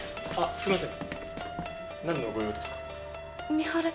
すみません。